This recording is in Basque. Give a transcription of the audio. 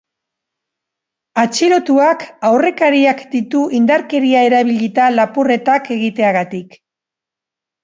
Atxilotuak aurrekariak ditu indarkeria erabilita lapurretak egiteagatik.